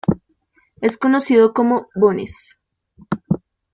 Es conocido como "Bones".